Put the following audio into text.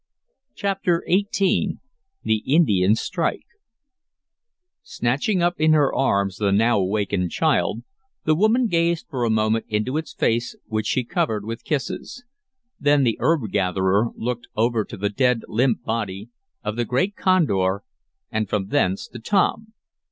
Chapter XVIII The Indian Strike Snatching up in her arms the now awakened child, the woman gazed for a moment into its face, which she covered with kisses. Then the herb gatherer looked over to the dead, limp body of the great condor, and from thence to Tom.